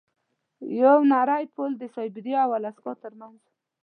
یو نری پل د سایبریا او الاسکا ترمنځ و.